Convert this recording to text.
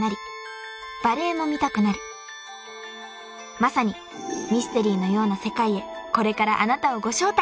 ［まさにミステリーのような世界へこれからあなたをご招待！］